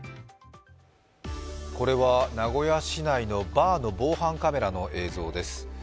これは名古屋市内のバーの防犯カメラの映像です。